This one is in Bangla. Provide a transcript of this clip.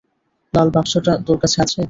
লাল বাক্সটা তোর কাছে আছে?